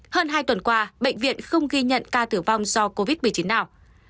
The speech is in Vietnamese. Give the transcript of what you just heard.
hơn hai tuần qua bệnh viện không ghi nhận ca tử vong do covid một mươi chín nào